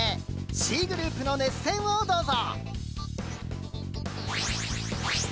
Ｃグループの熱戦をどうぞ！